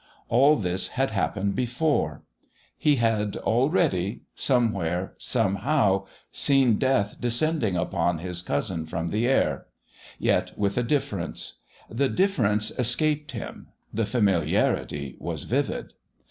All this had happened before. He had already somewhere, somehow seen death descending upon his cousin from the air. Yet with a difference. The "difference" escaped him; the familiarity was vivid.